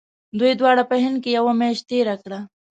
دوی دواړو په هند کې یوه میاشت تېره کړه.